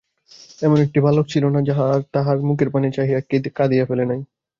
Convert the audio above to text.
এমন একটি বালক ছিল না যে তাঁহার মুখের পানে চাহিয়া কাঁদিয়া ফেলে নাই।